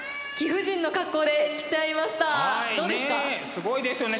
すごいですよね。